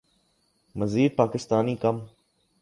مزید پاکستانی کم